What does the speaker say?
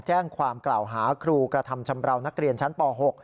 แจ้งความกล่าวหาครูกระทำชำราวนักเรียนชั้นป๖